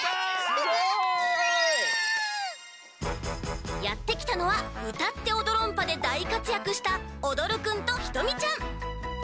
すごい。やってきたのは「うたっておどろんぱ！」でだいかつやくしたおどるくんとひとみちゃん。